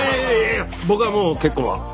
僕はもう結婚は。